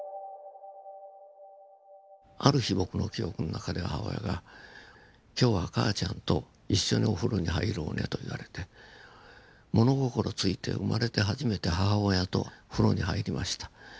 ある日僕の記憶の中で母親が「今日は母ちゃんと一緒にお風呂に入ろうね」と言われて物心付いて生まれて初めて母親と風呂に入りました。